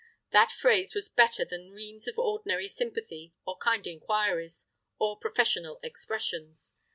That phrase was better than reams of ordinary sympathy, or kind inquiries, or professional expressions.